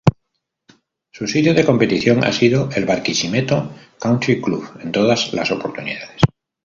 Su sitio de competición ha sido el Barquisimeto Country Club en todas las oportunidades.